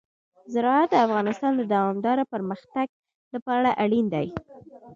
زراعت د افغانستان د دوامداره پرمختګ لپاره اړین دي.